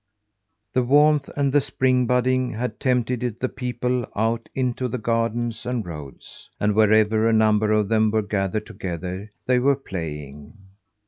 The warmth and the spring budding had tempted the people out into the gardens and roads, and wherever a number of them were gathered together they were playing.